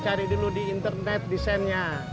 cari dulu di internet desainnya